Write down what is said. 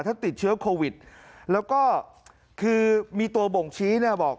ถ้าติดเชื้อโควิดแล้วก็คือมีตัวบ่งชี้เนี่ยบอก